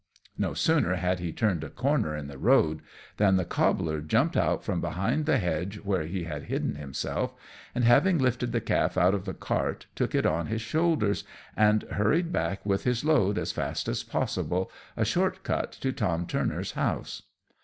No sooner had he turned a corner in the road, than the cobbler jumped out from behind the hedge where he had hidden himself, and having lifted the calf out of the cart, took it on his shoulders, and hurried back with his load, as fast as possible, a short cut to Tom Turner's house.